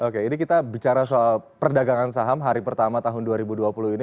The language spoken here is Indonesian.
oke ini kita bicara soal perdagangan saham hari pertama tahun dua ribu dua puluh ini